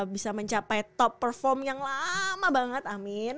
bisa mencapai top perform yang lama banget amin